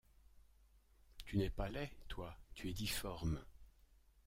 Tu n’es pas laid, toi, tu es difforme.